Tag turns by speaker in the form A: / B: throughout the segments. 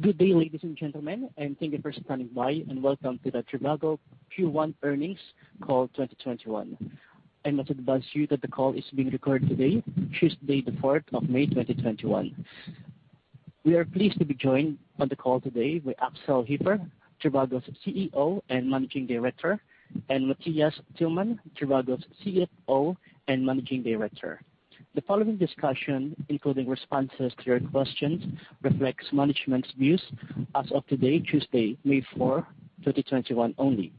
A: Good day, ladies and gentlemen, thank you for standing by, and welcome to the trivago Q1 Earnings Call 2021. I'd like to advise you that the call is being recorded today, Tuesday, the 4th of May 2021. We are pleased to be joined on the call today with Axel Hefer, trivago's CEO and Managing Director, and Matthias Tillmann, trivago's CFO and Managing Director. The following discussion, including responses to your questions, reflects management's views as of today, Tuesday, May 4, 2021 only.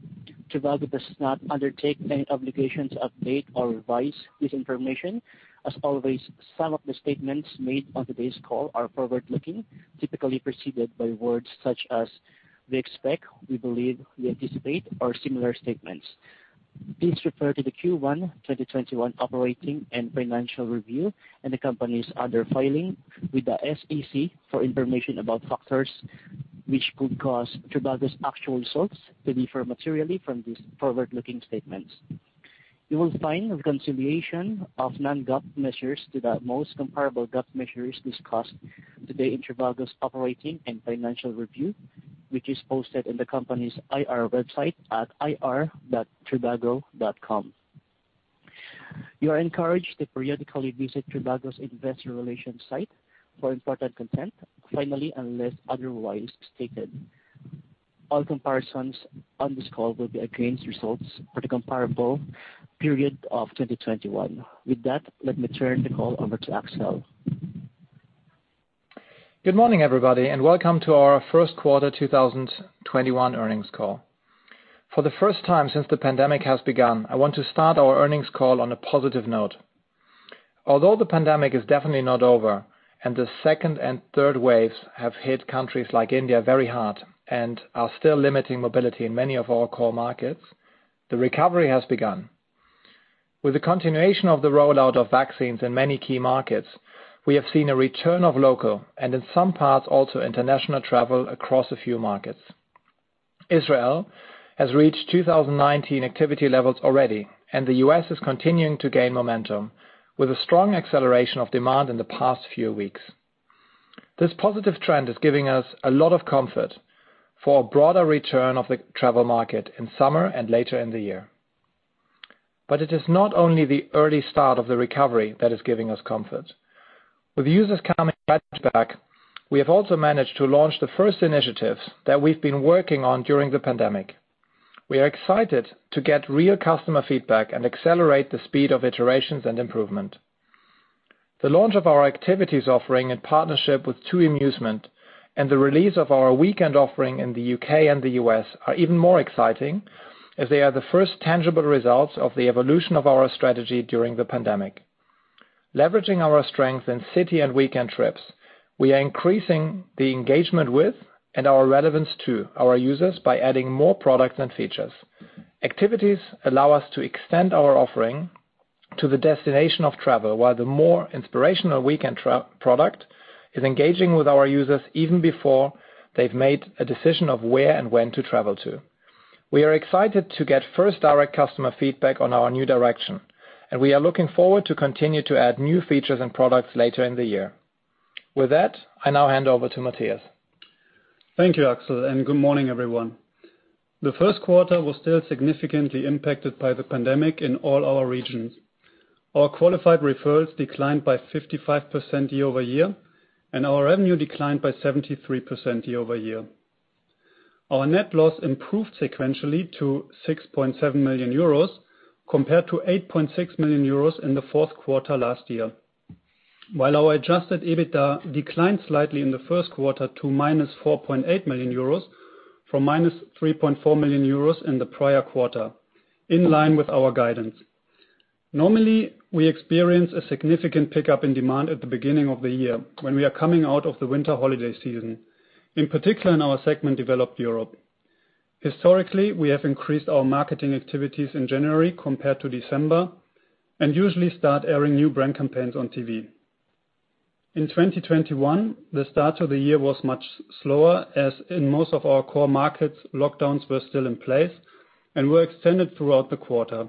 A: trivago does not undertake any obligations to update or revise this information. As always, some of the statements made on today's call are forward-looking, typically preceded by words such as "we expect," "we believe," "we anticipate," or similar statements. Please refer to the Q1 2021 operating and financial review and the company's other filing with the SEC for information about factors which could cause trivago's actual results to differ materially from these forward-looking statements. You will find a reconciliation of non-GAAP measures to the most comparable GAAP measures discussed today in trivago's operating and financial review, which is posted on the company's IR website at ir.trivago.com. You are encouraged to periodically visit trivago's investor relations site for important content. Finally, unless otherwise stated, all comparisons on this call will be against results for the comparable period of 2021. With that, let me turn the call over to Axel.
B: Good morning, everybody, and welcome to our first quarter 2021 earnings call. For the first time since the pandemic has begun, I want to start our earnings call on a positive note. Although the pandemic is definitely not over and the second and third waves have hit countries like India very hard and are still limiting mobility in many of our core markets, the recovery has begun. With the continuation of the rollout of vaccines in many key markets, we have seen a return of local and in some parts also international travel across a few markets. Israel has reached 2019 activity levels already, and the U.S. is continuing to gain momentum with a strong acceleration of demand in the past few weeks. This positive trend is giving us a lot of comfort for a broader return of the travel market in summer and later in the year. It is not only the early start of the recovery that is giving us comfort. With users coming right back, we have also managed to launch the first initiatives that we've been working on during the pandemic. We are excited to get real customer feedback and accelerate the speed of iterations and improvement. The launch of our activities offering in partnership with TUI Musement and the release of our weekend offering in the U.K. and the U.S. are even more exciting, as they are the first tangible results of the evolution of our strategy during the pandemic. Leveraging our strength in city and weekend trips, we are increasing the engagement with and our relevance to our users by adding more products and features. Activities allow us to extend our offering to the destination of travel, while the more inspirational weekend product is engaging with our users even before they've made a decision of where and when to travel to. We are excited to get first direct customer feedback on our new direction, and we are looking forward to continue to add new features and products later in the year. With that, I now hand over to Matthias.
C: Thank you, Axel, and good morning, everyone. The first quarter was still significantly impacted by the pandemic in all our regions. Our Qualified Referrals declined by 55% year-over-year, and our revenue declined by 73% year-over-year. Our net loss improved sequentially to 6.7 million euros compared to 8.6 million euros in the fourth quarter last year. While our adjusted EBITDA declined slightly in the first quarter to -4.8 million euros from -3.4 million euros in the prior quarter, in line with our guidance. Normally, we experience a significant pickup in demand at the beginning of the year when we are coming out of the winter holiday season, in particular in our segment developed Europe. Historically, we have increased our marketing activities in January compared to December and usually start airing new brand campaigns on TV. In 2021, the start of the year was much slower, as in most of our core markets, lockdowns were still in place and were extended throughout the quarter.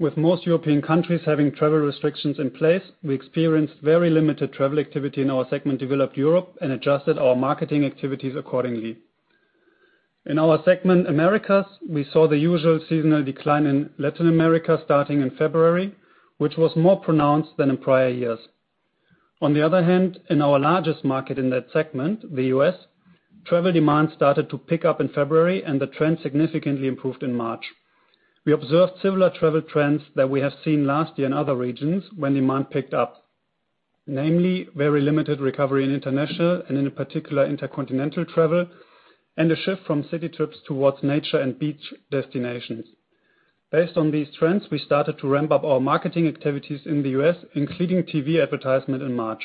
C: With most European countries having travel restrictions in place, we experienced very limited travel activity in our segment Developed Europe and adjusted our marketing activities accordingly. In our segment, Americas, we saw the usual seasonal decline in Latin America starting in February, which was more pronounced than in prior years. On the other hand, in our largest market in that segment, the U.S., travel demand started to pick up in February, and the trend significantly improved in March. We observed similar travel trends that we have seen last year in other regions when demand picked up. Namely, very limited recovery in international and in a particular intercontinental travel, and a shift from city trips towards nature and beach destinations. Based on these trends, we started to ramp up our marketing activities in the U.S., including TV advertisement in March.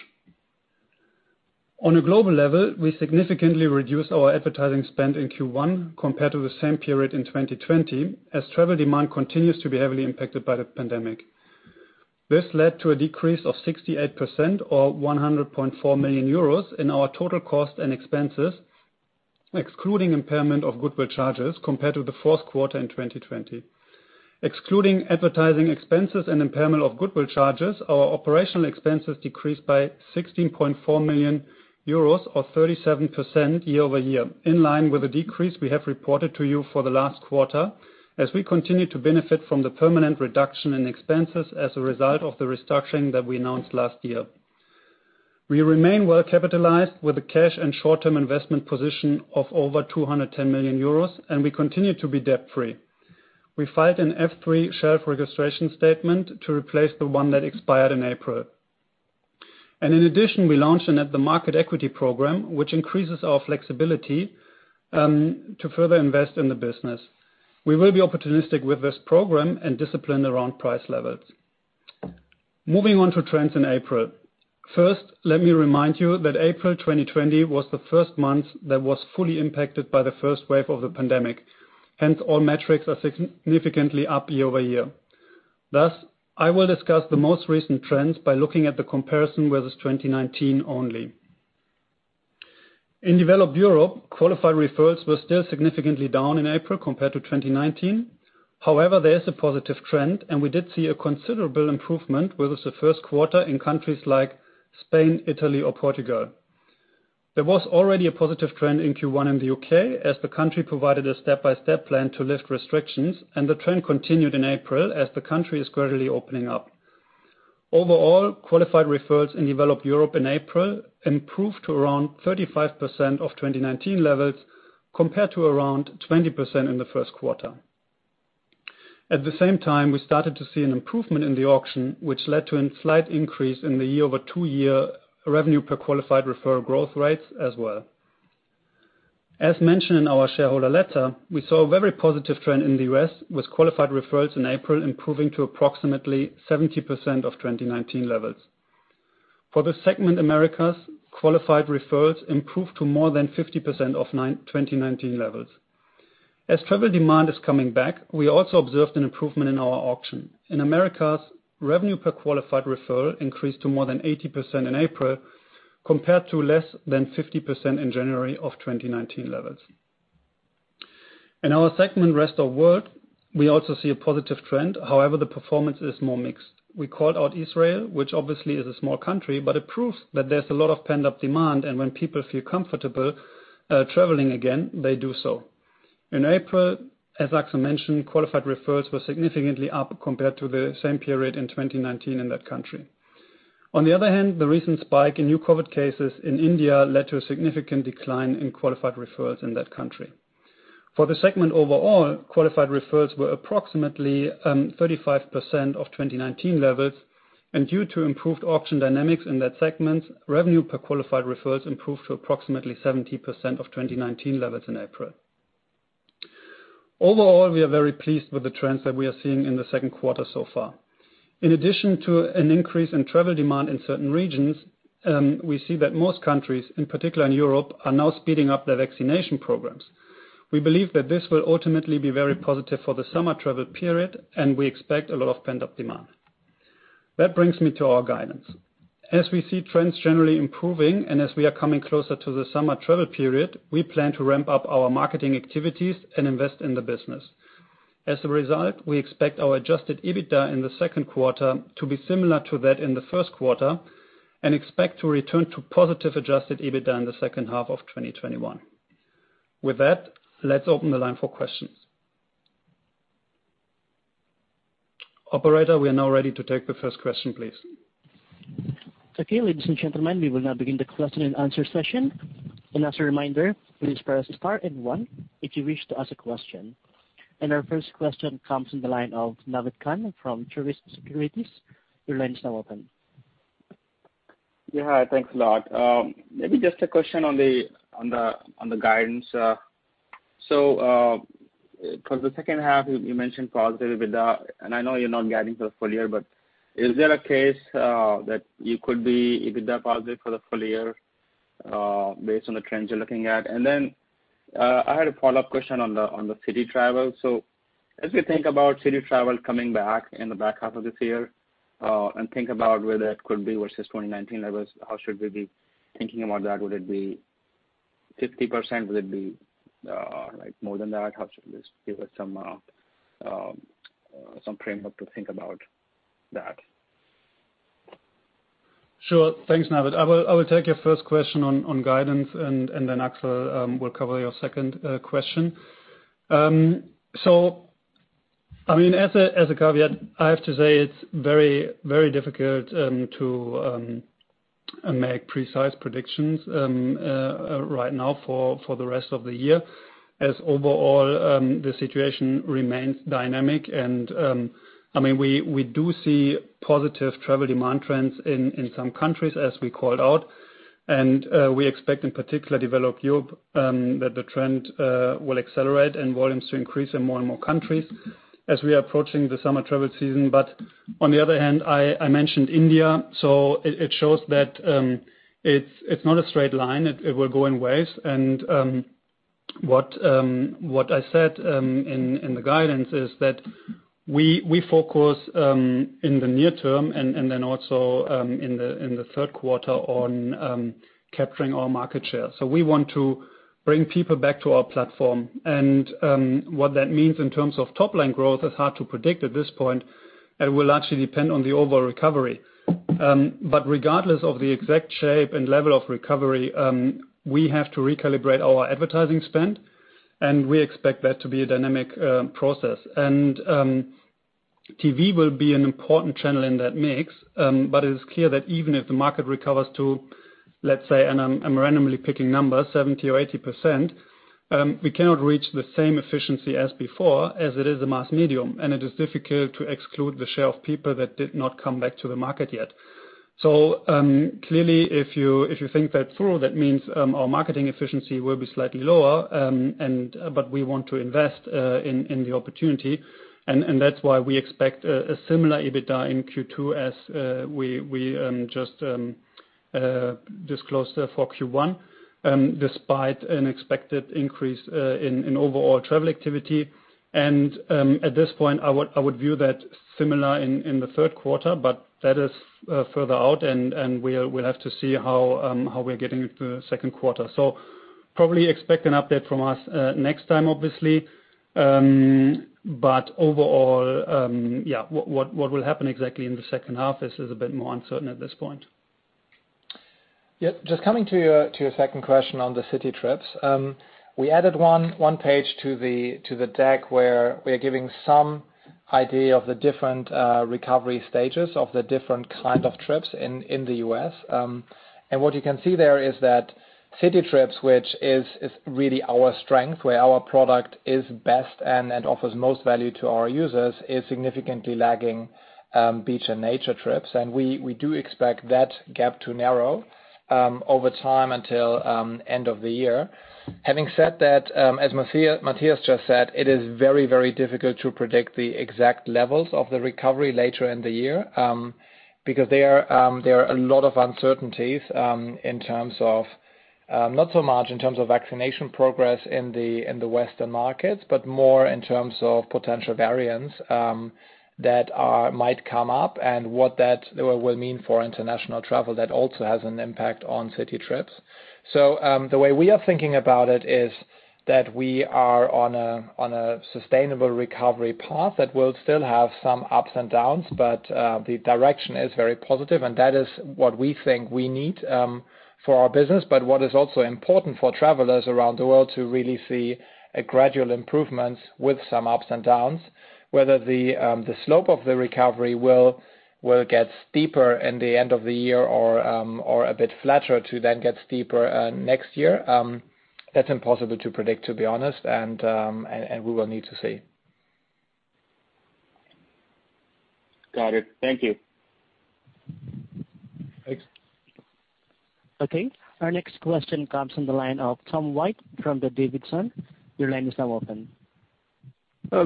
C: On a global level, we significantly reduced our advertising spend in Q1 compared to the same period in 2020, as travel demand continues to be heavily impacted by the pandemic. This led to a decrease of 68% or 100.4 million euros in our total cost and expenses, excluding impairment of goodwill charges, compared to the fourth quarter in 2020. Excluding advertising expenses and impairment of goodwill charges, our operational expenses decreased by 16.4 million euros or 37% year-over-year, in line with the decrease we have reported to you for the last quarter, as we continue to benefit from the permanent reduction in expenses as a result of the restructuring that we announced last year. We remain well-capitalized with a cash and short-term investment position of over 210 million euros, and we continue to be debt-free. We filed an F-3 shelf registration statement to replace the one that expired in April. In addition, we launched an at-the-market equity program, which increases our flexibility to further invest in the business. We will be opportunistic with this program and disciplined around price levels. Moving on to trends in April. First, let me remind you that April 2020 was the first month that was fully impacted by the first wave of the pandemic, hence all metrics are significantly up year-over-year. Thus, I will discuss the most recent trends by looking at the comparison with 2019 only. In developed Europe, Qualified Referrals were still significantly down in April compared to 2019. There is a positive trend, and we did see a considerable improvement versus the first quarter in countries like Spain, Italy, or Portugal. There was already a positive trend in Q1 in the UK as the country provided a step-by-step plan to lift restrictions, and the trend continued in April as the country is gradually opening up. Overall, Qualified Referrals in developed Europe in April improved to around 35% of 2019 levels, compared to around 20% in the first quarter. At the same time, we started to see an improvement in the auction, which led to a slight increase in the year-over-two-year Revenue Per Qualified Referral growth rates as well. As mentioned in our shareholder letter, we saw a very positive trend in the US with Qualified Referrals in April improving to approximately 70% of 2019 levels. For the segment Americas, Qualified Referrals improved to more than 50% of 2019 levels. As travel demand is coming back, we also observed an improvement in our auction. In Americas, Revenue Per Qualified Referral increased to more than 80% in April, compared to less than 50% in January of 2019 levels. In our segment, rest of world, we also see a positive trend. However, the performance is more mixed. We called out Israel, which obviously is a small country, but it proves that there's a lot of pent-up demand, and when people feel comfortable traveling again, they do so. In April, as Axel mentioned, Qualified Referrals were significantly up compared to the same period in 2019 in that country. On the other hand, the recent spike in new COVID cases in India led to a significant decline in Qualified Referrals in that country. For the segment overall, Qualified Referrals were approximately 35% of 2019 levels, and due to improved auction dynamics in that segment, Revenue Per Qualified Referral improved to approximately 70% of 2019 levels in April. Overall, we are very pleased with the trends that we are seeing in the second quarter so far. In addition to an increase in travel demand in certain regions, we see that most countries, in particular in Europe, are now speeding up their vaccination programs. We believe that this will ultimately be very positive for the summer travel period, and we expect a lot of pent-up demand. That brings me to our guidance. As we see trends generally improving and as we are coming closer to the summer travel period, we plan to ramp up our marketing activities and invest in the business. As a result, we expect our adjusted EBITDA in the second quarter to be similar to that in the first quarter and expect to return to positive adjusted EBITDA in the second half of 2021. With that, let's open the line for questions. Operator, we are now ready to take the first question, please.
A: Okay, ladies and gentlemen, we will now begin the question and answer session. As a reminder, please press star and one if you wish to ask a question. Our first question comes in the line of Naved Khan from Truist Securities. Your line is now open.
D: Yeah, thanks a lot. Maybe just a question on the guidance. For the second half, you mentioned positive EBITDA, and I know you're not guiding for the full year, but is there a case that you could be EBITDA positive for the full year based on the trends you're looking at? Then, I had a follow-up question on the city travel. As we think about city travel coming back in the back half of this year, and think about whether it could be versus 2019 levels, how should we be thinking about that? Would it be 50%? Would it be more than that? Just give us some framework to think about that.
C: Sure. Thanks, Naved. I will take your first question on guidance, and then Axel will cover your second question. As a caveat, I have to say it's very difficult to make precise predictions right now for the rest of the year, as overall the situation remains dynamic. We do see positive travel demand trends in some countries as we called out. We expect in particular developed Europe, that the trend will accelerate and volumes to increase in more and more countries as we are approaching the summer travel season. On the other hand, I mentioned India, so it shows that it's not a straight line. It will go in waves. What I said in the guidance is that we focus in the near term and then also in the third quarter on capturing our market share. We want to bring people back to our platform. What that means in terms of top-line growth is hard to predict at this point. It will actually depend on the overall recovery. Regardless of the exact shape and level of recovery, we have to recalibrate our advertising spend, and we expect that to be a dynamic process. TV will be an important channel in that mix, but it is clear that even if the market recovers to, let's say, and I'm randomly picking numbers, 70% or 80%, we cannot reach the same efficiency as before as it is a mass medium, and it is difficult to exclude the share of people that did not come back to the market yet. Clearly, if you think that through, that means our marketing efficiency will be slightly lower, but we want to invest in the opportunity. That's why we expect a similar EBITDA in Q2 as we just disclosed for Q1, despite an expected increase in overall travel activity. At this point, I would view that similar in the third quarter, but that is further out, and we'll have to see how we're getting with the second quarter. Probably expect an update from us next time, obviously. Overall, what will happen exactly in the second half is a bit more uncertain at this point.
B: Just coming to your second question on the city trips. We added one page to the deck where we are giving some idea of the different recovery stages of the different kind of trips in the U.S. What you can see there is that city trips, which is really our strength, where our product is best and offers most value to our users, is significantly lagging beach and nature trips. We do expect that gap to narrow over time until end of the year. Having said that, as Matthias just said, it is very difficult to predict the exact levels of the recovery later in the year, because there are a lot of uncertainties in terms of, not so much in terms of vaccination progress in the Western markets, but more in terms of potential variants that might come up and what that will mean for international travel that also has an impact on city trips. The way we are thinking about it is that we are on a sustainable recovery path that will still have some ups and downs, but the direction is very positive, and that is what we think we need for our business. What is also important for travelers around the world to really see a gradual improvement with some ups and downs. Whether the slope of the recovery will get steeper in the end of the year or a bit flatter to then get steeper next year, that's impossible to predict, to be honest, and we will need to see.
D: Got it. Thank you.
C: Thanks.
A: Okay. Our next question comes from the line of Tom White from D.A. Davidson. Your line is now open.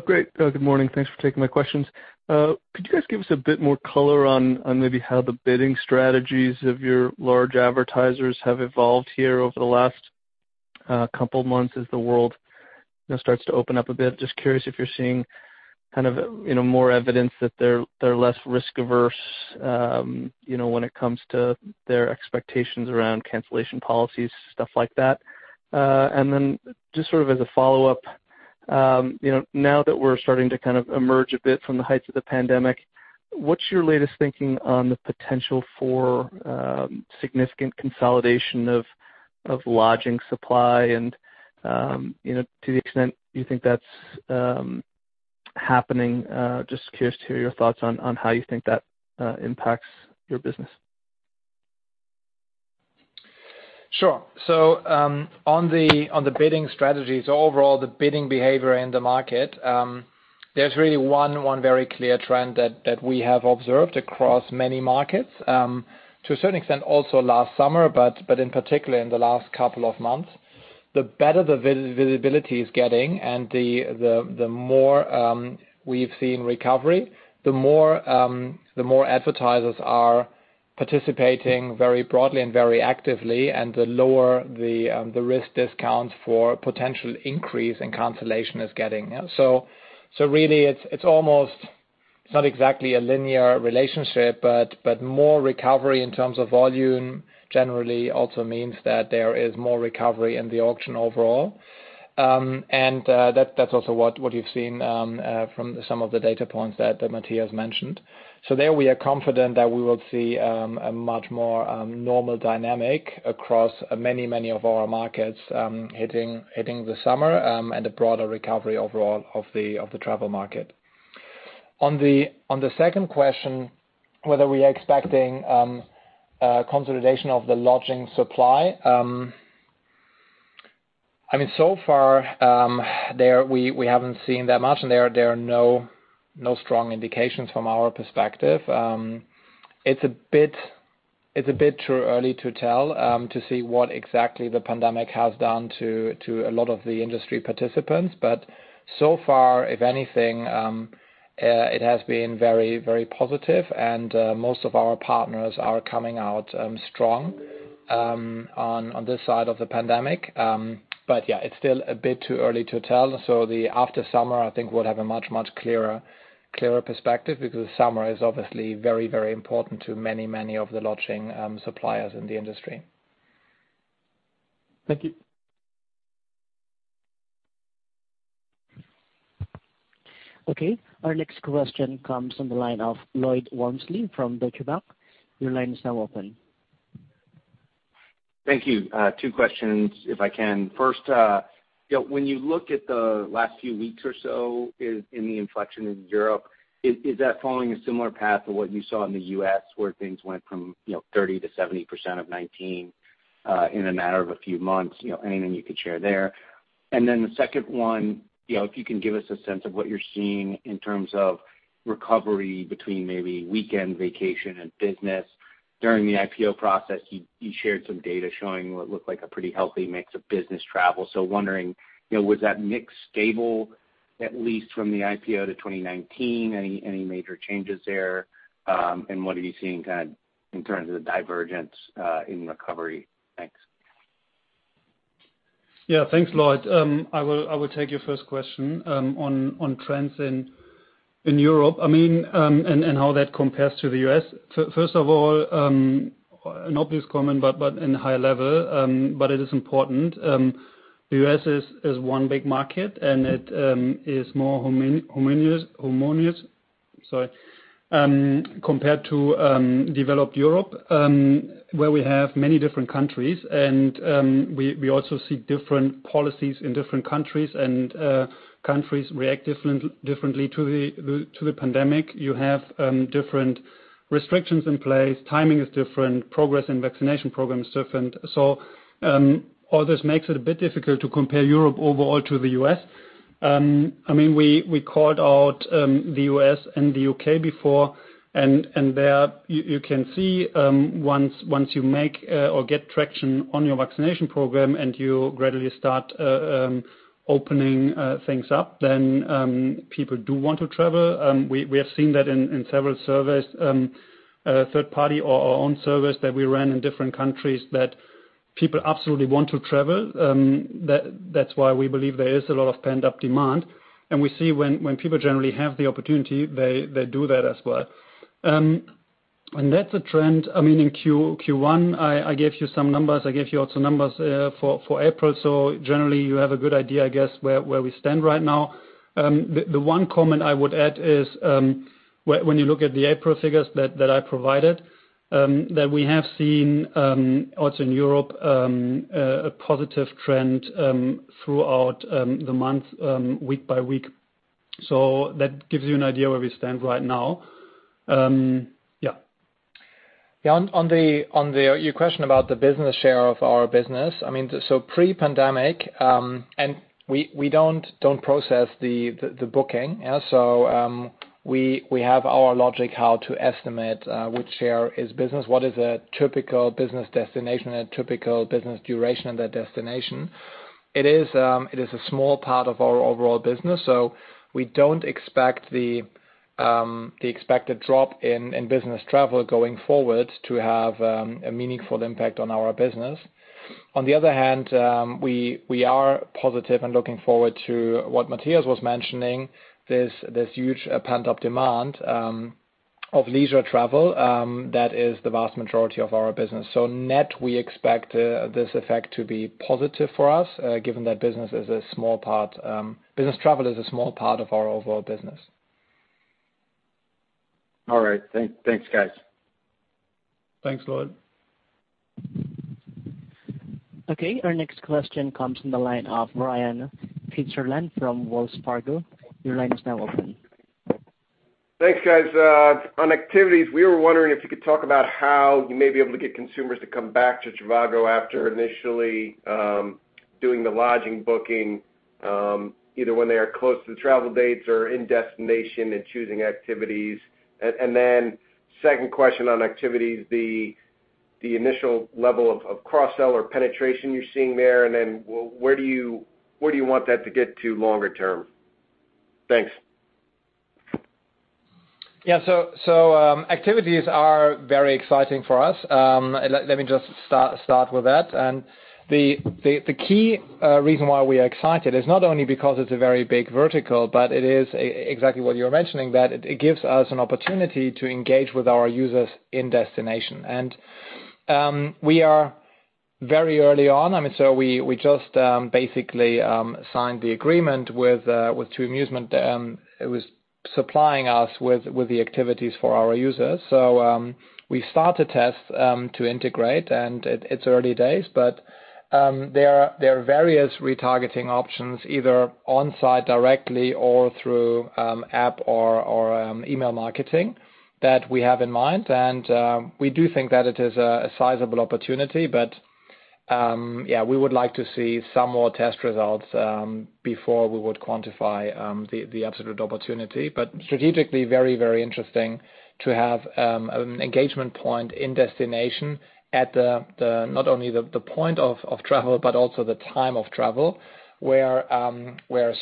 E: Great. Good morning. Thanks for taking my questions. Could you guys give us a bit more color on maybe how the bidding strategies of your large advertisers have evolved here over the last couple of months as the world starts to open up a bit? Just curious if you're seeing more evidence that they're less risk-averse when it comes to their expectations around cancellation policies, stuff like that. Then just as a follow-up, now that we're starting to emerge a bit from the heights of the pandemic, what's your latest thinking on the potential for significant consolidation of lodging supply? To the extent you think that's happening, just curious to hear your thoughts on how you think that impacts your business.
B: Sure. On the bidding strategies, overall the bidding behavior in the market, there's really one very clear trend that we have observed across many markets. To a certain extent, also last summer, but in particular in the last couple of months. The better the visibility is getting and the more we've seen recovery, the more advertisers are participating very broadly and very actively, and the lower the risk discount for potential increase in cancellation is getting. Really it's almost, it's not exactly a linear relationship, but more recovery in terms of volume generally also means that there is more recovery in the auction overall. That's also what you've seen from some of the data points that Matthias mentioned. There we are confident that we will see a much more normal dynamic across many of our markets hitting the summer, and a broader recovery overall of the travel market. On the second question, whether we are expecting consolidation of the lodging supply. Far, we haven't seen that much, and there are no strong indications from our perspective. It's a bit too early to tell to see what exactly the pandemic has done to a lot of the industry participants. So far, if anything, it has been very positive, and most of our partners are coming out strong on this side of the pandemic. Yeah, it's still a bit too early to tell. The after summer, I think we'll have a much, much clearer perspective because the summer is obviously very, very important to many of the lodging suppliers in the industry.
E: Thank you.
A: Okay. Our next question comes from the line of Lloyd Walmsley from Deutsche Bank. Your line is now open.
F: Thank you. Two questions, if I can. First, when you look at the last few weeks or so in the inflection in Europe, is that following a similar path of what you saw in the U.S. where things went from 30% to 70% of 2019, in a matter of a few months? Anything you could share there? The second one, if you can give us a sense of what you're seeing in terms of recovery between maybe weekend vacation and business. During the IPO process, you shared some data showing what looked like a pretty healthy mix of business travel. Wondering, was that mix stable, at least from the IPO to 2019? Any major changes there? What are you seeing in terms of the divergence in recovery? Thanks.
C: Yeah. Thanks, Lloyd. I will take your first question on trends in Europe, how that compares to the U.S. First of all, an obvious comment, in high level, it is important. The U.S. is one big market, it is more homogeneous compared to developed Europe, where we have many different countries we also see different policies in different countries and countries react differently to the pandemic. You have different restrictions in place. Timing is different, progress in vaccination program is different. All this makes it a bit difficult to compare Europe overall to the U.S. We called out the U.S. and the U.K. before, there you can see, once you make or get traction on your vaccination program and you gradually start opening things up, people do want to travel. We have seen that in several surveys, third party or our own surveys that we ran in different countries that people absolutely want to travel. We believe there is a lot of pent-up demand. We see when people generally have the opportunity, they do that as well. That's a trend. In Q1, I gave you some numbers. I gave you also numbers for April. Generally you have a good idea, I guess, where we stand right now. The one comment I would add is, when you look at the April figures that I provided, that we have seen also in Europe, a positive trend throughout the month, week-by-week. That gives you an idea where we stand right now. Yeah.
B: On your question about the business share of our business. Pre-pandemic, and we don't process the booking. We have our logic how to estimate which share is business, what is a typical business destination and typical business duration in that destination. It is a small part of our overall business, so we don't expect the expected drop in business travel going forward to have a meaningful impact on our business. On the other hand, we are positive and looking forward to what Matthias was mentioning, this huge pent-up demand of leisure travel, that is the vast majority of our business. Net, we expect this effect to be positive for us, given that business travel is a small part of our overall business.
F: All right. Thanks guys.
C: Thanks, Lloyd.
A: Our next question comes from the line of Brian Fitzgerald from Wells Fargo. Your line is now open.
G: Thanks, guys. On activities, we were wondering if you could talk about how you may be able to get consumers to come back to trivago after initially doing the lodging booking, either when they are close to the travel dates or in destination and choosing activities. Second question on activities, the initial level of cross-sell or penetration you're seeing there, and then where do you want that to get to longer term? Thanks.
B: Yeah. Activities are very exciting for us. Let me just start with that. The key reason why we are excited is not only because it's a very big vertical, but it is exactly what you're mentioning, that it gives us an opportunity to engage with our users in destination. We are very early on. We just basically signed the agreement with TUI Musement. It was supplying us with the activities for our users. We start a test to integrate and it's early days, but there are various retargeting options, either on-site directly or through app or email marketing that we have in mind. We do think that it is a sizable opportunity. Yeah, we would like to see some more test results before we would quantify the absolute opportunity. Strategically very interesting to have an engagement point in destination at not only the point of travel, but also the time of travel, where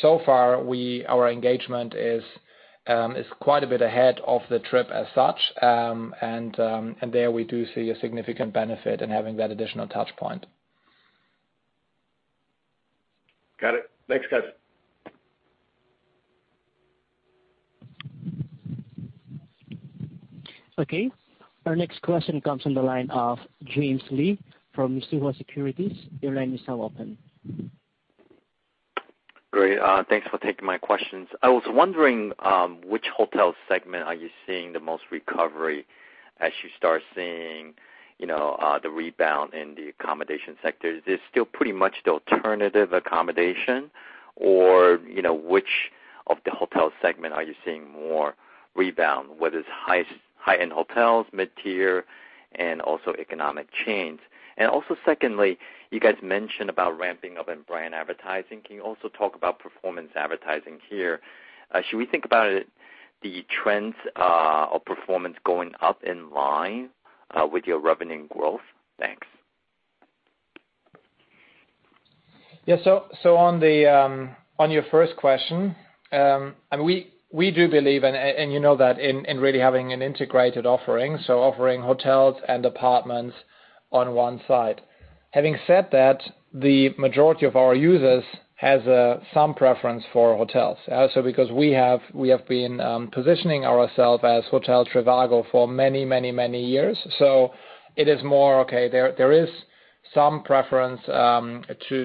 B: so far our engagement is quite a bit ahead of the trip as such. There we do see a significant benefit in having that additional touch point.
G: Got it. Thanks, guys.
A: Okay. Our next question comes from the line of James Lee from Mizuho Securities. Your line is now open.
H: Great. Thanks for taking my questions. I was wondering which hotel segment are you seeing the most recovery as you start seeing the rebound in the accommodation sector? Is this still pretty much the alternative accommodation or which of the hotel segment are you seeing more rebound, whether it's high-end hotels, mid-tier, and also economic chains? Also secondly, you guys mentioned about ramping up in brand advertising. Can you also talk about performance advertising here? Should we think about the trends of performance going up in line with your revenue growth? Thanks.
B: On your first question, we do believe, and you know that, in really having an integrated offering hotels and apartments on one side. Having said that, the majority of our users has some preference for hotels. Because we have been positioning ourself as hotel trivago for many years. It is more, okay, there is some preference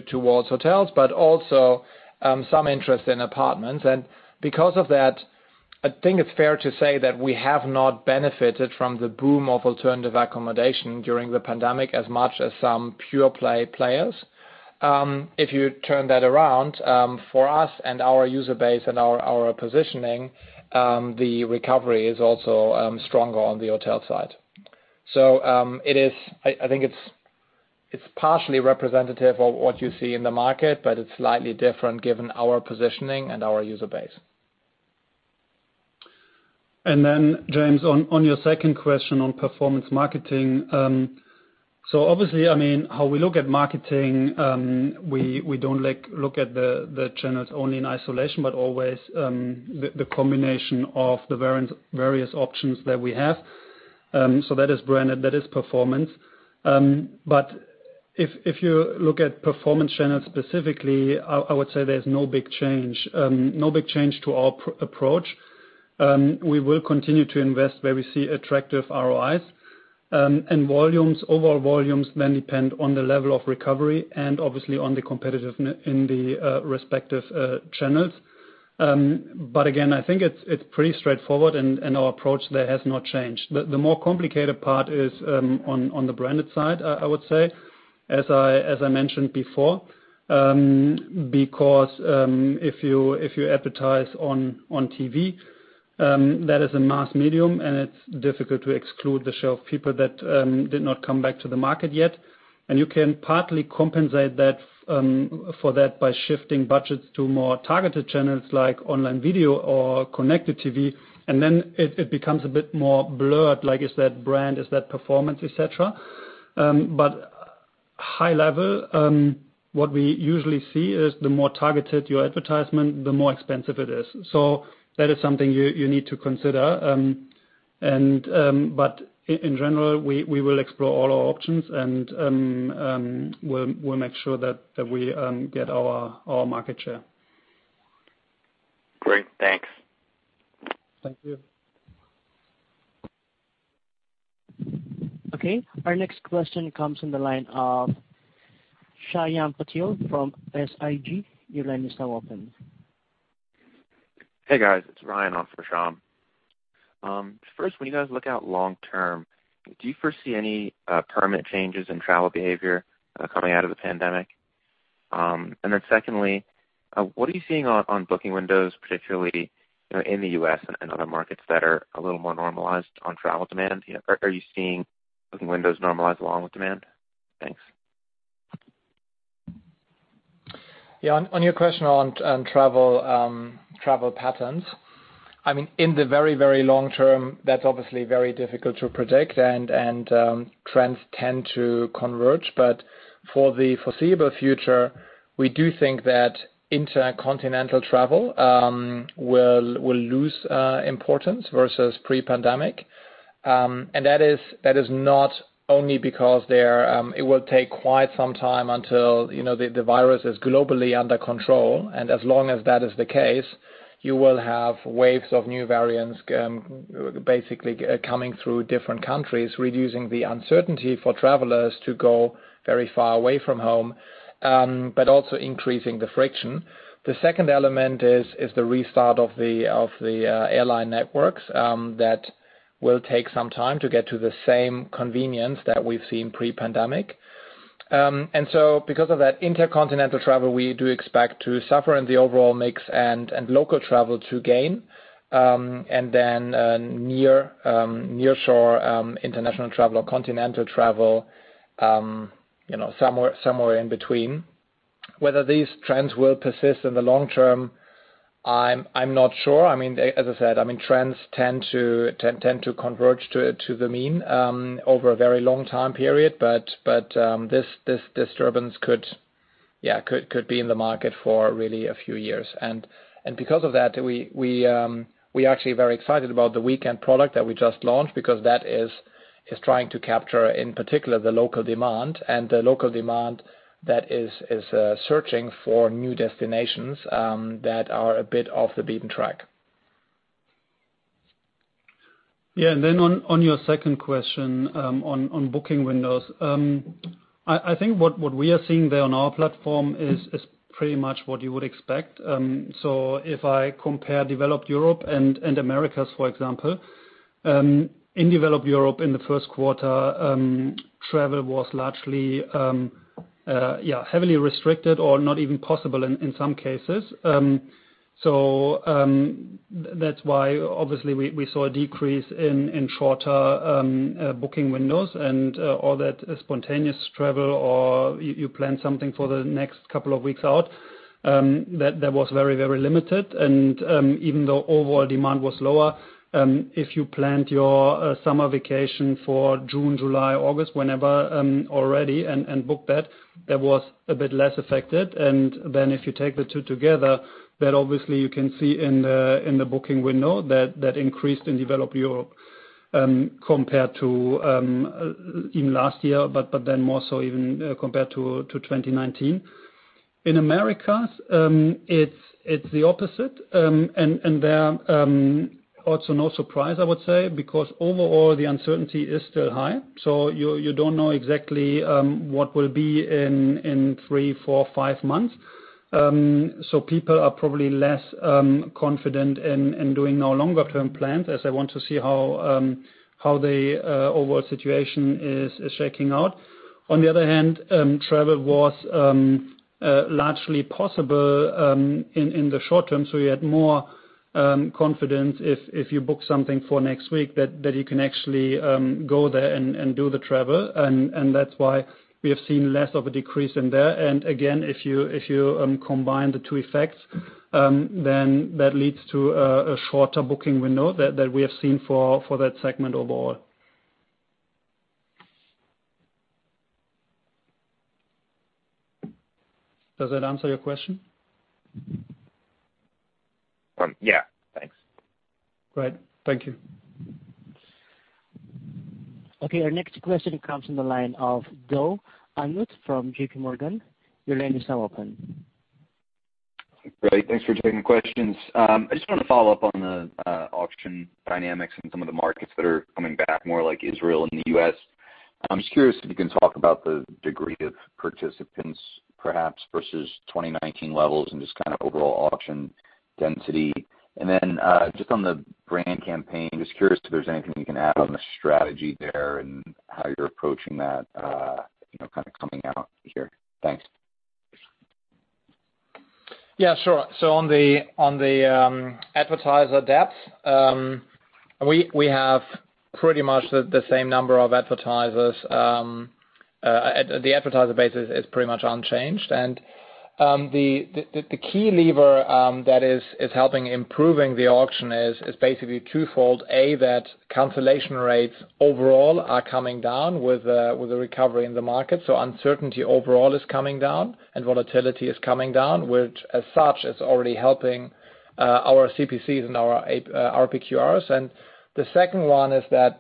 B: towards hotels, also some interest in apartments. Because of that, I think it's fair to say that we have not benefited from the boom of alternative accommodation during the pandemic as much as some pure-play players. If you turn that around, for us and our user base and our positioning, the recovery is also stronger on the hotel side. I think it's partially representative of what you see in the market, it's slightly different given our positioning and our user base.
C: James, on your second question on performance marketing. Obviously, how we look at marketing, we don't look at the channels only in isolation, but always the combination of the various options that we have. That is branded, that is performance. If you look at performance channels specifically, I would say there's no big change to our approach. We will continue to invest where we see attractive ROIs. Overall volumes then depend on the level of recovery and obviously on the competitiveness in the respective channels. Again, I think it's pretty straightforward and our approach there has not changed. The more complicated part is on the branded side, I would say, as I mentioned before, because if you advertise on TV, that is a mass medium and it's difficult to exclude the shy people that did not come back to the market yet. You can partly compensate for that by shifting budgets to more targeted channels like online video or connected TV, and then it becomes a bit more blurred, like is that brand? Is that performance, et cetera? High level, what we usually see is the more targeted your advertisement, the more expensive it is. That is something you need to consider. In general, we will explore all our options and we'll make sure that we get our market share.
H: Great. Thanks.
C: Thank you.
A: Okay. Our next question comes from the line of Shyam Patil from SIG.
I: Hey, guys. It's Ryan on for Shyam. First, when you guys look out long-term, do you foresee any permanent changes in travel behavior coming out of the pandemic? Secondly, what are you seeing on booking windows, particularly in the U.S. and other markets that are a little more normalized on travel demand? Are you seeing booking windows normalize along with demand? Thanks.
B: Yeah. On your question on travel patterns, in the very long term, that's obviously very difficult to predict and trends tend to converge. For the foreseeable future, we do think that intercontinental travel will lose importance versus pre-pandemic. That is not only because it will take quite some time until the virus is globally under control, and as long as that is the case, you will have waves of new variants basically coming through different countries, reducing the uncertainty for travelers to go very far away from home, but also increasing the friction. The second element is the restart of the airline networks. That will take some time to get to the same convenience that we've seen pre-pandemic. Because of that intercontinental travel, we do expect to suffer in the overall mix and local travel to gain. Nearshore international travel or continental travel somewhere in between. Whether these trends will persist in the long term, I'm not sure. As I said, trends tend to converge to the mean over a very long time period, this disturbance could be in the market for really a few years. Because of that, we are actually very excited about the weekend product that we just launched because that is trying to capture, in particular, the local demand and the local demand that is searching for new destinations that are a bit off the beaten track.
C: Yeah. On your second question, on booking windows. I think what we are seeing there on our platform is pretty much what you would expect. If I compare developed Europe and Americas, for example. In developed Europe in the first quarter, travel was largely heavily restricted or not even possible in some cases. That's why obviously we saw a decrease in shorter booking windows and all that spontaneous travel, or you plan something for the next couple of weeks out, that was very limited. Even though overall demand was lower, if you planned your summer vacation for June, July, August, whenever, already and booked that was a bit less affected. If you take the two together, that obviously you can see in the booking window that increased in developed Europe, compared to in last year, more so even compared to 2019. In America, it's the opposite. There, also no surprise, I would say, because overall, the uncertainty is still high. You don't know exactly what will be in three, four, five months. People are probably less confident in doing no longer term plans as they want to see how the overall situation is shaking out. On the other hand, travel was largely possible in the short term, so you had more confidence if you book something for next week that you can actually go there and do the travel. That's why we have seen less of a decrease in there. Again, if you combine the two effects, that leads to a shorter booking window that we have seen for that segment overall. Does that answer your question?
I: Yeah. Thanks.
C: Great. Thank you.
A: Our next question comes from the line of Doug Anmuth from JPMorgan.
J: Great. Thanks for taking questions. I just want to follow up on the auction dynamics in some of the markets that are coming back more like Israel and the U.S. I'm just curious if you can talk about the degree of participants perhaps versus 2019 levels and just overall auction density. Just on the brand campaign, just curious if there's anything you can add on the strategy there and how you're approaching that coming out here. Thanks.
B: Yeah, sure. On the advertiser depth, we have pretty much the same number of advertisers. The advertiser base is pretty much unchanged. The key lever that is helping improving the auction is basically twofold. A, that cancellation rates overall are coming down with the recovery in the market. Uncertainty overall is coming down and volatility is coming down, which as such is already helping our CPCs and our RPQRs. The second one is that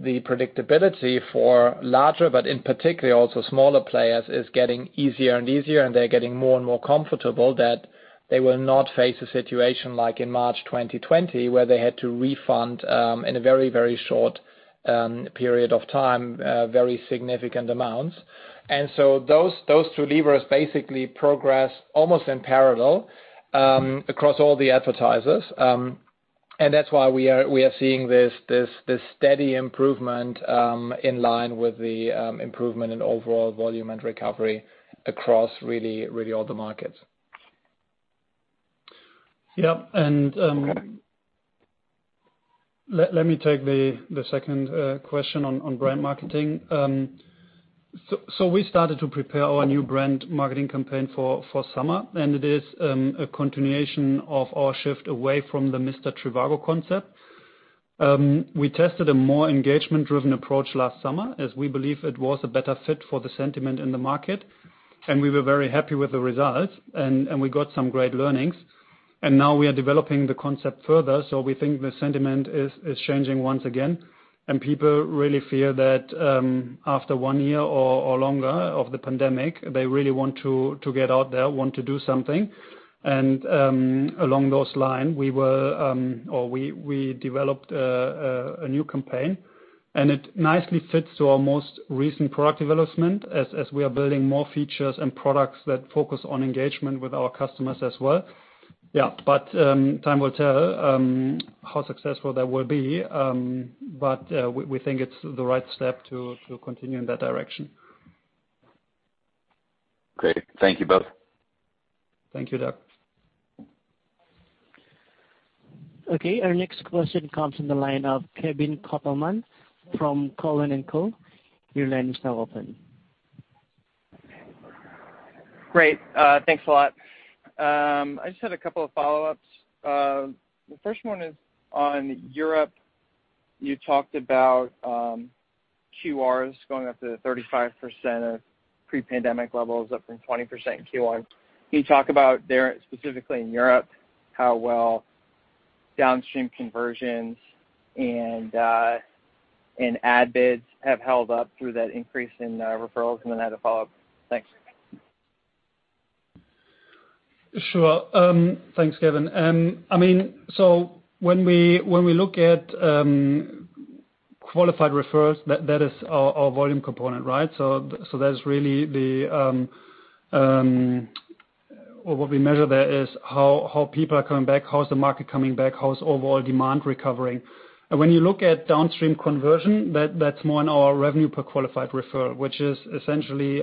B: the predictability for larger, but in particular also smaller players is getting easier and easier and they're getting more and more comfortable that they will not face a situation like in March 2020, where they had to refund in a very short period of time very significant amounts. Those two levers basically progress almost in parallel across all the advertisers. That's why we are seeing this steady improvement in line with the improvement in overall volume and recovery across really all the markets.
C: Yep. Let me take the second question on brand marketing. We started to prepare our new brand marketing campaign for summer, and it is a continuation of our shift away from the Mr. Trivago concept. We tested a more engagement-driven approach last summer as we believe it was a better fit for the sentiment in the market, and we were very happy with the results and we got some great learnings. Now we are developing the concept further, so we think the sentiment is changing once again, and people really feel that after one year or longer of the pandemic, they really want to get out there, want to do something. Along those line, we developed a new campaign and it nicely fits to our most recent product development as we are building more features and products that focus on engagement with our customers as well. Yeah. Time will tell how successful that will be. We think it's the right step to continue in that direction.
J: Great. Thank you both.
C: Thank you, Doug.
A: Okay, our next question comes from the line of Kevin Kopelman from Cowen and Co. Your line is now open.
K: Great, thanks a lot. I just had a couple of follow-ups. The first one is on Europe. You talked about QRs going up to 35% of pre-pandemic levels, up from 20% in Q1. Can you talk about there, specifically in Europe, how well downstream conversions and ad bids have held up through that increase in referrals? Then I had a follow-up. Thanks.
C: Sure. Thanks, Kevin. When we look at Qualified Referrals, that is our volume component, right? What we measure there is how people are coming back, how is the market coming back, how is overall demand recovering. When you look at downstream conversion, that's more in our Revenue Per Qualified Referral, which is essentially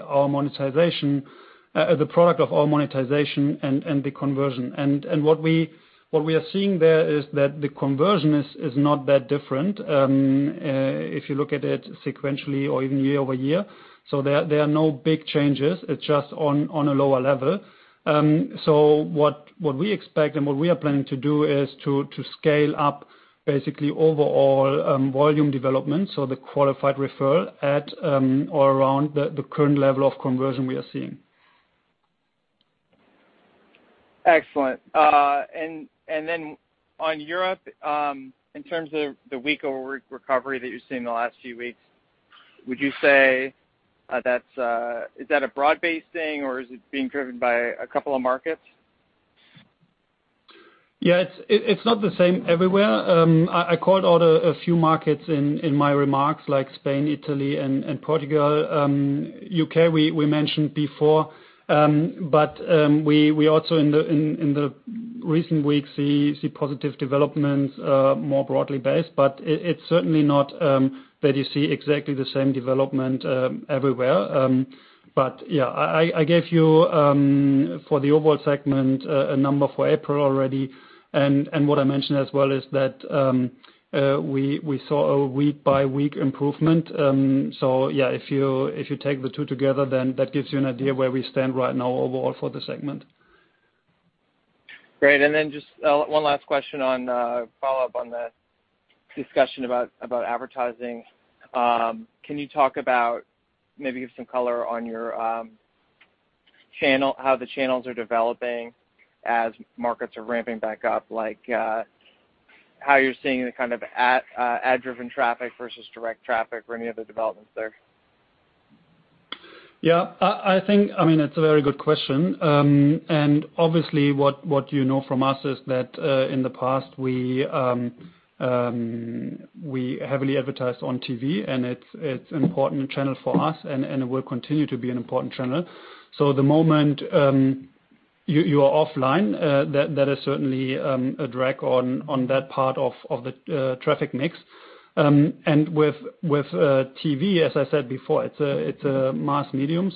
C: the product of our monetization and the conversion. What we are seeing there is that the conversion is not that different, if you look at it sequentially or even year-over-year. There are no big changes. It's just on a lower level. What we expect and what we are planning to do is to scale up basically overall volume development, so the Qualified Referral at or around the current level of conversion we are seeing.
K: Excellent. On Europe, in terms of the week-over-week recovery that you've seen in the last few weeks, would you say is that a broad-based thing or is it being driven by a couple of markets?
C: Yeah, it's not the same everywhere. I called out a few markets in my remarks, like Spain, Italy, and Portugal. U.K., we mentioned before. We also in the recent weeks see positive developments more broadly based. It's certainly not that you see exactly the same development everywhere. Yeah, I gave you, for the overall segment, a number for April already. What I mentioned as well is that we saw a week-by-week improvement. Yeah, if you take the two together, then that gives you an idea where we stand right now overall for the segment.
K: Great. Then just one last question on follow-up on the discussion about advertising. Can you talk about, maybe give some color on how the channels are developing as markets are ramping back up? Like how you're seeing the kind of ad-driven traffic versus direct traffic or any other developments there?
C: Yeah. It's a very good question. Obviously what you know from us is that in the past, we heavily advertised on TV, and it's an important channel for us and it will continue to be an important channel. The moment you are offline, that is certainly a drag on that part of the traffic mix. With TV, as I said before, it's a mass medium.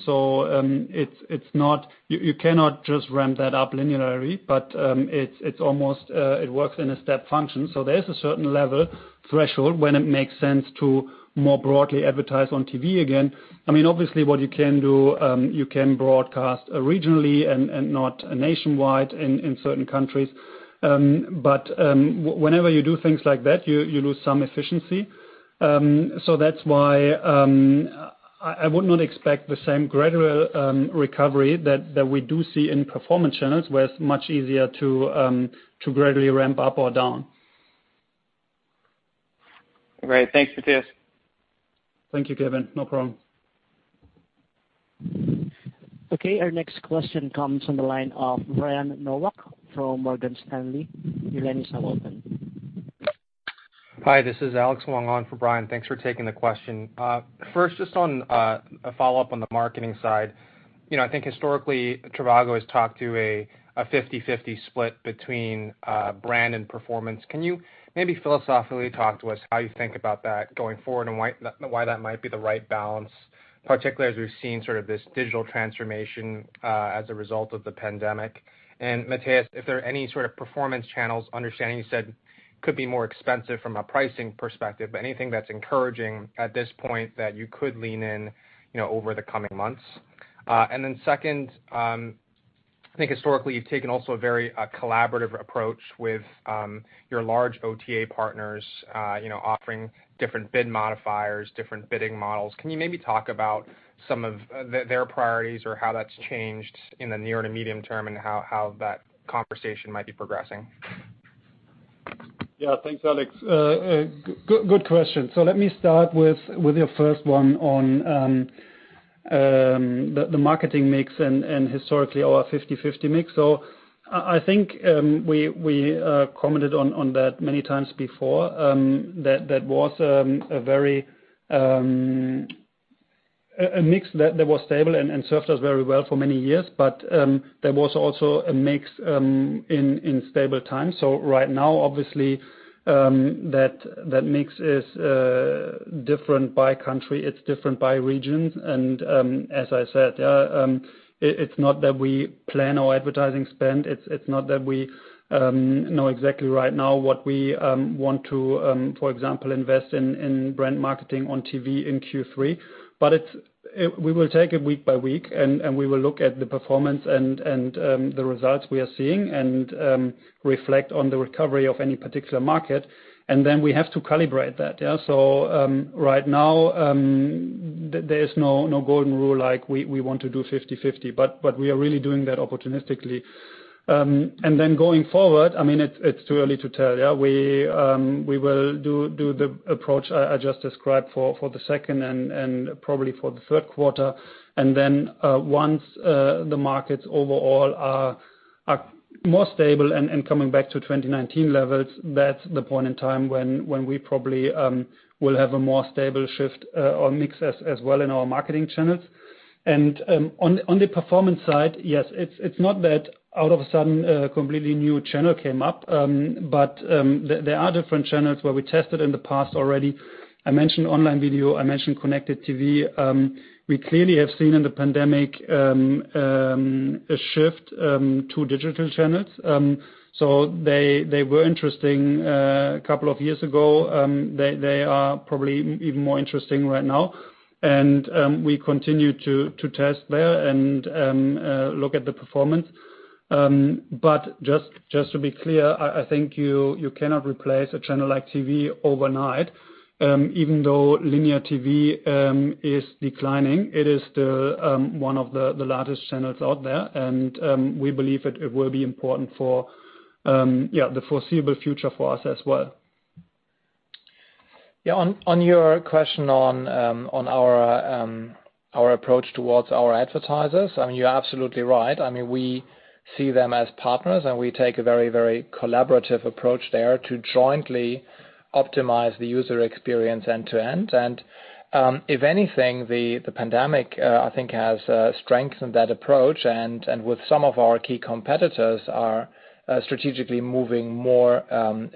C: You cannot just ramp that up linearly, but it works in a step function. There's a certain level threshold when it makes sense to more broadly advertise on TV again. Obviously what you can do, you can broadcast regionally and not nationwide in certain countries. Whenever you do things like that, you lose some efficiency. That's why I would not expect the same gradual recovery that we do see in performance channels, where it's much easier to gradually ramp up or down.
K: Great. Thanks, Matthias.
C: Thank you, Kevin. No problem.
A: Okay, our next question comes on the line of Brian Nowak from Morgan Stanley. Your line is now open.
L: Hi, this is Alex Wong on for Brian. Thanks for taking the question. First, just on a follow-up on the marketing side. I think historically trivago has talked to a 50/50 split between brand and performance. Can you maybe philosophically talk to us how you think about that going forward and why that might be the right balance, particularly as we've seen sort of this digital transformation as a result of the pandemic? Matthias, if there are any sort of performance channels, understanding you said could be more expensive from a pricing perspective, but anything that's encouraging at this point that you could lean in over the coming months? Second, I think historically you've taken also a very collaborative approach with your large OTA partners offering different bid modifiers, different bidding models. Can you maybe talk about some of their priorities or how that's changed in the near and medium term and how that conversation might be progressing?
C: Thanks, Alex. Good question. Let me start with your first one on the marketing mix and historically our 50/50 mix. I think we commented on that many times before, that was a mix that was stable and served us very well for many years. That was also a mix in stable times. Right now obviously that mix is different by country, it's different by regions, and as I said, it's not that we plan our advertising spend. It's not that we know exactly right now what we want to, for example, invest in brand marketing on TV in Q3. We will take it week by week, and we will look at the performance and the results we are seeing and reflect on the recovery of any particular market. We have to calibrate that. Right now, there's no golden rule like we want to do 50/50. We are really doing that opportunistically. Going forward, it's too early to tell. We will do the approach I just described for the second and probably for the third quarter. Once the markets overall are more stable and coming back to 2019 levels, that's the point in time when we probably will have a more stable shift or mix as well in our marketing channels. On the performance side, yes, it's not that all of a sudden, a completely new channel came up. There are different channels where we tested in the past already. I mentioned online video. I mentioned connected TV. We clearly have seen in the pandemic, a shift to digital channels. They were interesting a couple of years ago. They are probably even more interesting right now. We continue to test there and look at the performance. Just to be clear, I think you cannot replace a channel like TV overnight. Even though linear TV is declining, it is still one of the largest channels out there. We believe that it will be important for the foreseeable future for us as well.
B: Yeah, on your question on our approach towards our advertisers, you're absolutely right. We see them as partners, and we take a very collaborative approach there to jointly optimize the user experience end to end. If anything, the pandemic, I think, has strengthened that approach. With some of our key competitors are strategically moving more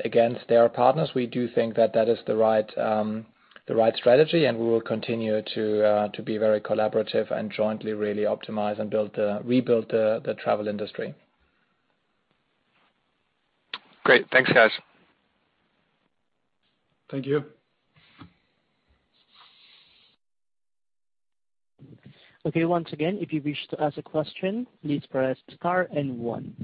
B: against their partners, we do think that that is the right strategy, and we will continue to be very collaborative and jointly really optimize and rebuild the travel industry.
L: Great. Thanks, guys.
C: Thank you.
A: Okay, once again, if you wish to ask a question, please press star and one.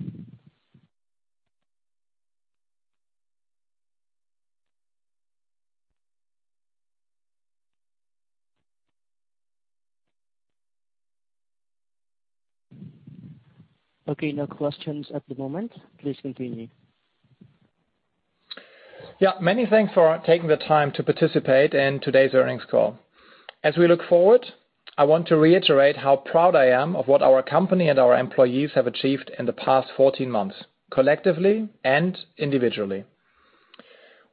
A: Okay, no questions at the moment. Please continue.
B: Yeah, many thanks for taking the time to participate in today's earnings call. As we look forward, I want to reiterate how proud I am of what our company and our employees have achieved in the past 14 months, collectively and individually.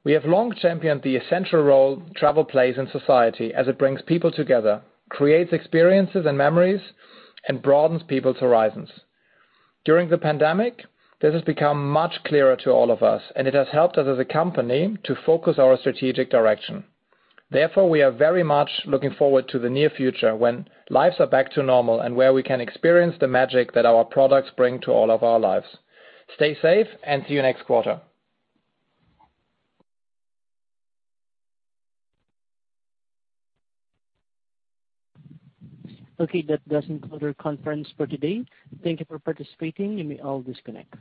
B: We have long championed the essential role travel plays in society as it brings people together, creates experiences and memories, and broadens people's horizons. During the pandemic, this has become much clearer to all of us, and it has helped us as a company to focus our strategic direction. Therefore, we are very much looking forward to the near future when lives are back to normal and where we can experience the magic that our products bring to all of our lives. Stay safe, and see you next quarter.
A: Okay, that does conclude our conference for today. Thank you for participating. You may all disconnect.